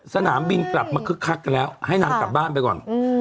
สนามบินกลับมาคึกคักกันแล้วให้นางกลับบ้านไปก่อน